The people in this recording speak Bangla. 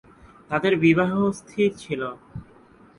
তাদের বিবাহ স্থির ছিল।